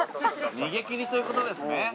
逃げ切りということですね。